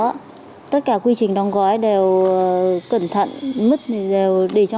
dạ có tất cả quy trình đóng gói đều cẩn thận mứt đều để trong thùng sạch sẽ